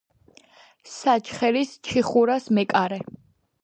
საჩხერის „ჩიხურას“ მეკარე.